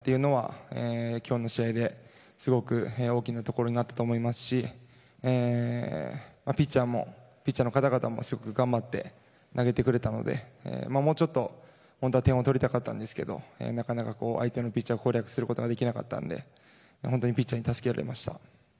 本当に展開的にあそこですぐ点を取り返せたというのは今日の試合ですごく大きなところになったと思いますしピッチャーの方々もすごく頑張って投げてくれたのでもうちょっと本当は点を取りたかったんですけどなかなか相手のピッチャーを攻略することができなかったので本当にピッチャーに助けられました。